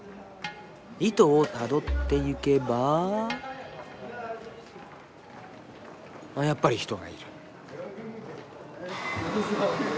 糸をたどっていけばやっぱり人がいる。